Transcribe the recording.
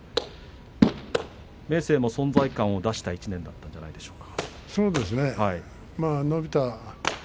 明生も存在感を出した１年だったんではないでしょうか。